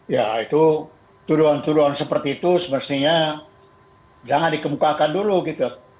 ya itu tuduhan tuduhan seperti itu semestinya jangan dikemukakan dulu gitu